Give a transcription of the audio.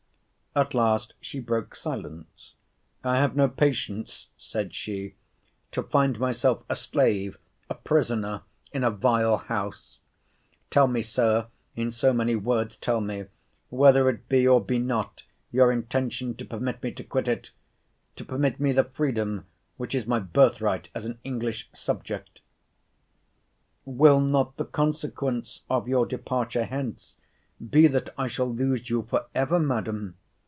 At last she broke silence—I have no patience, said she, to find myself a slave, a prisoner, in a vile house—Tell me, Sir, in so many words tell me, whether it be, or be not, your intention to permit me to quit it?—To permit me the freedom which is my birthright as an English subject? Will not the consequence of your departure hence be that I shall lose you for ever, Madam?